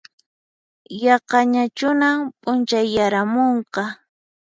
Yaqañachunan p'unchayaramunqa